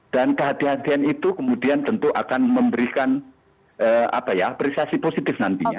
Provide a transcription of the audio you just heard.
dan kehati hatian itu kemudian tentu akan memberikan apa ya apresiasi positif nantinya